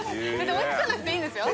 追いつかなくていいんですよ。